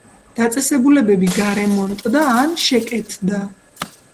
დაწესებულებები გარემონტდა ან შეკეთდა.